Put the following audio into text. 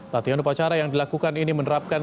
latihan upacara yang dilakukan ini menerapkan